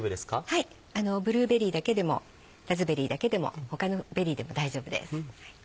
はいブルーベリーだけでもラズベリーだけでも他のベリーでも大丈夫です。